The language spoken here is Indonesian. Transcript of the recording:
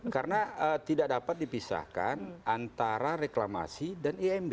karena tidak dapat dipisahkan antara reklamasi dan imb